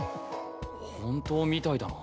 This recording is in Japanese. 本当みたいだな。